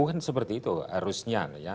kan seperti itu harusnya